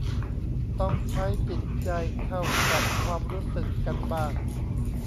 ต้องใช้จิตใจเข้าจับความรู้สึกกันบ้าง